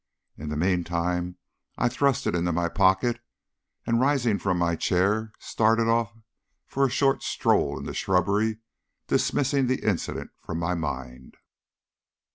In the meantime I thrust it into my pocket, and rising from my chair started off for a short stroll in the shrubbery, dismissing the incident from my mind.